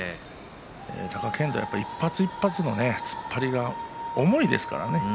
貴健斗は一発一発の突っ張りが重いですからね。